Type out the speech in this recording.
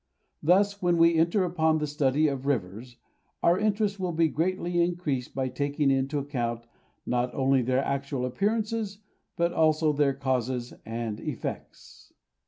Thus, when we enter upon the study of rivers, our interest will be greatly increased by taking into account, not only their actual appearances but also their causes and effects.